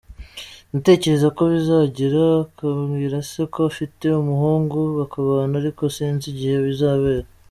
Ndatekereza ko bizagera akabwira se ko afite umuhungu bakabana, ariko sinzi igihe bizabera.